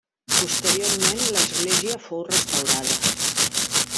Posteriorment l'església fou restaurada.